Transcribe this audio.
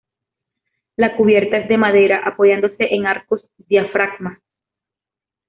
La cubierta es de madera apoyándose en arcos diafragma.